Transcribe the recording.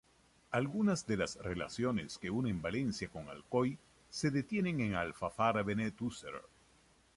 Algunas de las relaciones que unen Valencia con Alcoy se detienen en Alfafar-Benetúser.